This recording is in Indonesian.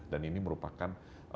dan ini merupakan